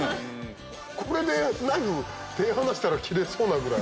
これでナイフ手離したら切れそうなぐらい。